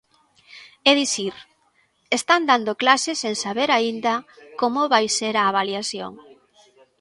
É dicir, están dando clase sen saber aínda como vai ser a avaliación.